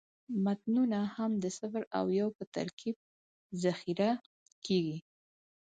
متنونه هم د صفر او یو په ترکیب ذخیره کېږي.